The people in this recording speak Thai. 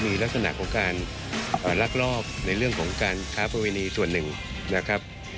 มีลักษณะของการลักลอบในเรื่องของการค้าประเวณีส่วนหนึ่งนะครับ